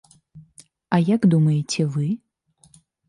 А як думаеце вы?